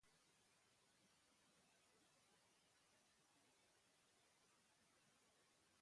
Aukeran, baso aberats eta sakonak nahiago izaten ditu.